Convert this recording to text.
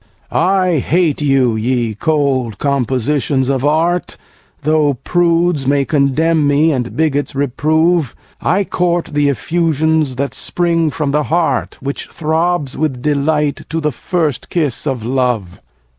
4. I hate you, ye cold compositions of art, Though prudes may condemn me, and bigots reprove; I court the effusions that spring from the heart, Which throbs, with delight, to the first kiss of love.